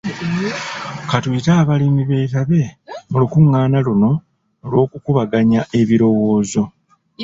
Ka tuyite abalimi beetabe mu lukungaana luno lw'okukubaganya ebirowoozo.